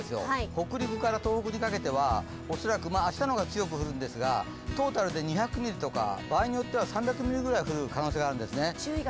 北陸から東北にかけては恐らく明日の方が強く降るんですがトータルで２００ミリとか場合によっては３００ミリぐらい降る可能性があるんですね。